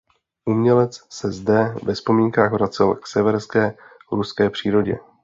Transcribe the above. Umělec se zde ve vzpomínkách vracel k severské ruské přírodě.